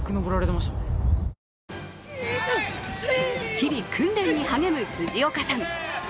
日々、訓練に励む辻岡さん。